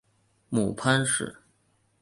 母潘氏。